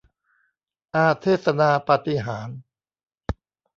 อาเทสนาปาฏิหาริย์